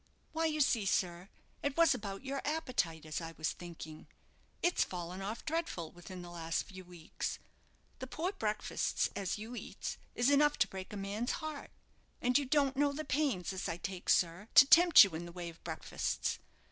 "Why you see, sir, it was about your appetite as I was thinking. It's fallen off dreadful within the last few weeks. The poor breakfastes as you eats is enough to break a man's heart. And you don't know the pains as I take, sir, to tempt you in the way of breakfastes.